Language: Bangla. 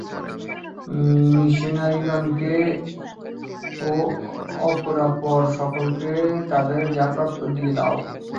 মিশনরীগণকে ও অপরাপর সকলকে তাদের যা প্রাপ্য, দিয়ে দাও।